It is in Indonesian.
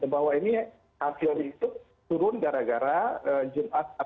bahwa ini arti arti itu turun gara gara